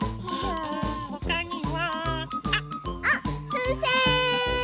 ふうせん！